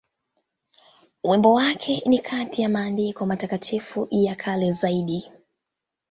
Wimbo wake ni kati ya maandiko matakatifu ya kale zaidi.